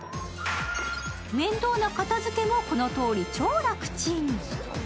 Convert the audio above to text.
面倒な片付けも、このとおり超楽ちん。